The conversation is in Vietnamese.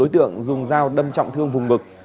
còn giao đâm trọng thương vùng bực